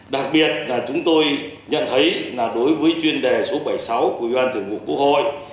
đặc biệt là chúng tôi nhận thấy là đối với chuyên đề số bảy mươi sáu của ủy ban thường vụ quốc hội